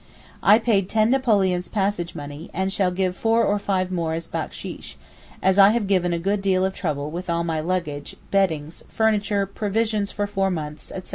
I paid ten napoleons passage money, and shall give four or five more as backsheesh, as I have given a good deal of trouble with all my luggage, beddings, furniture, provisions for four months, etc.